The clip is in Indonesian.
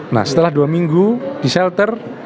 nah setelah dua minggu di shelter